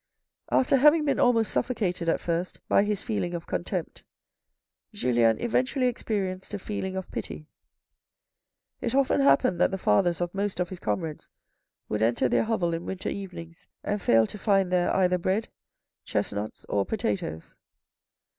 After having been almost suffocated at first by his feeling of contempt, Julien eventually experienced a feeling of pity ; it often happened that the fathers of most of his comrades would enter their hovel in winter evenings and fail to find there either bread, chestnuts or potatoes.